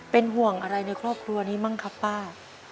เป็นห่วงอะไรในครอบครัวนี้บ้างครับป้า